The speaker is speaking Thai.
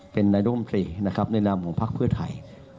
เป็นนายกรมดรีก่อนในนามของภาคเพื่อไทย